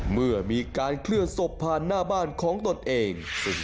เมื่อมีการเคลื่อนศพผ่านหน้าบ้านของตนเอง